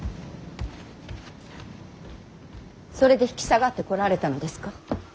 それで引き下がってこられたのですか。